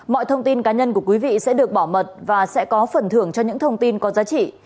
mọi thông tin cá nhân của quý vị sẽ được bảo mật và sẽ có phần thưởng cho những thông tin có giá trị